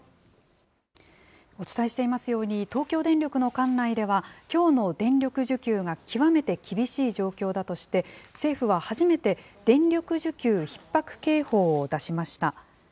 お伝えしていますように、東京電力の管内では、きょうの電力需給が極めて厳しい状況だとして、政府は初めて、電力需給ひっ迫警報を出しました。